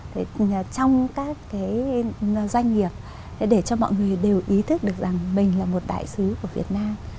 trong các cái doanh nghiệp để cho mọi người đều ý thức được rằng mình là một đại sứ của việt nam